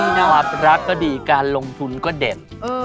น่ารักก็ดีการลงทุนก็เด็ด